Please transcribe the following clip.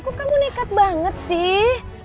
kok kamu nekat banget sih